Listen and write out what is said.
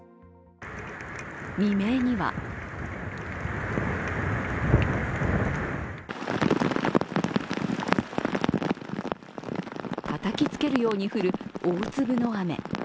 未明にはたたきつけるように降る大粒の雨。